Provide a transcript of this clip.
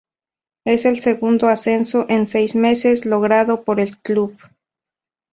Es el segundo ascenso en seis meses logrado por el club.